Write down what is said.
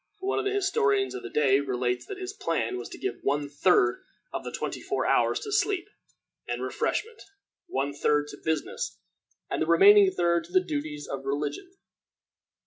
One of the historians of the day relates that his plan was to give one third of the twenty four hours to sleep and refreshment, one third to business, and the remaining third to the duties of religion.